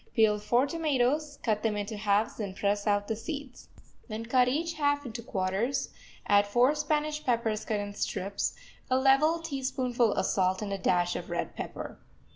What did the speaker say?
Peel four tomatoes, cut them into halves and press out the seeds. Then cut each half into quarters, add four Spanish peppers cut in strips, a level teaspoonful of salt and a dash of red pepper.